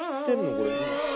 これ。